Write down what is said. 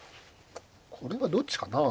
これはどっちかなあ。